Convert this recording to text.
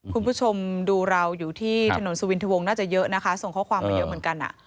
คุณผู้ชมดูเราอยู่ที่ถนนสุวินทะวงน่าจะเยอะนะคะส่งข้อความมาเยอะเหมือนกัน